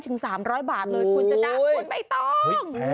คุณจะดังว่าไม่ต้อง